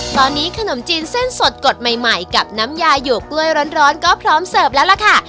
ตอนนี้ขนมจีนเส้นสดกดใหม่กับน้ำยาหยวกกล้วยร้อนก็พร้อมเสิร์ฟแล้วล่ะค่ะ